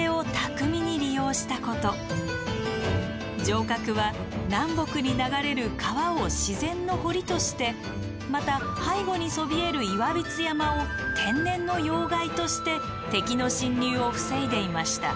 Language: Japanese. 城郭は南北に流れる川を自然の堀としてまた背後にそびえる岩櫃山を天然の要害として敵の侵入を防いでいました。